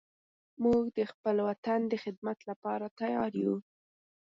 موږ د خپل وطن د خدمت لپاره تیار یو